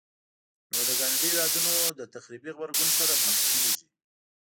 نو د ګاونډيو هيوادونو له تخريبي غبرګون سره مخ کيږي.